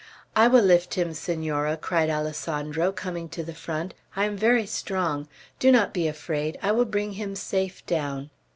"I will lift him, Senora," cried Alessandro, coming to the front, "I am very strong. Do not be afraid; I will bring him safe down."